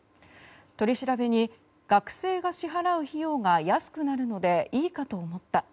取り調べに学生が支払う費用が安くなるのでいいかと思った。